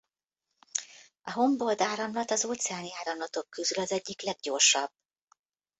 A Humboldt-áramlat az óceáni áramlatok közül az egyik leggyorsabb.